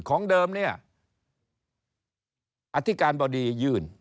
ของเดิมเนี่ยอธิการบดียื่น